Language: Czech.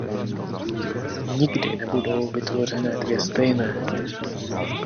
Nikdy nebudou vytvořené dvě stejné.